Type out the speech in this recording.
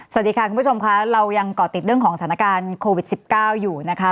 สวัสดีค่ะคุณผู้ชมค่ะเรายังก่อติดเรื่องของสถานการณ์โควิด๑๙อยู่นะคะ